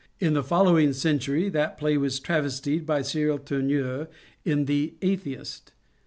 In the following century that play was travestied by Cyril Tourneur in ^^ The Atheist."